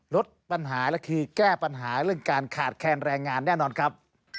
ลดปัญหาและคือแก้ปัญหาเรื่องการขาดแคลนแรงงานแน่นอนครับ